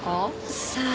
さあ。